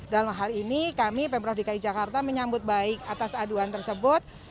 dalam hal ini kami pemprov dki jakarta menyambut baik atas aduan tersebut